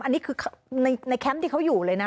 กล่าดยิงในแคมป์อันนี้คือในแคมป์ที่เขาอยู่เลยนะ